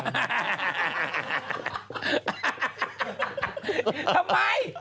ทำไม